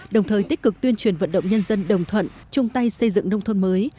đồng thời tích cực tuyên truyền vận động nhân dân đồng thuận chung tay xây dựng nông thôn mới